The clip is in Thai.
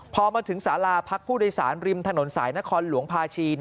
พอมาถึงสาราพักผู้โดยสารริมถนนสายนครหลวงภาชี